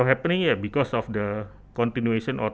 karena penerusan yang kita lakukan pada tahun dua ribu dua puluh